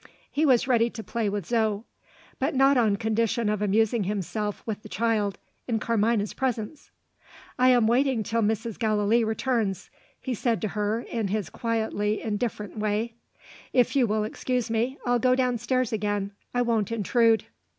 He was ready to play with Zo but not on condition of amusing himself with the child, in Carmina's presence. "I am waiting till Mrs. Gallilee returns," he said to her in his quietly indifferent way. "If you will excuse me, I'll go downstairs again; I won't intrude."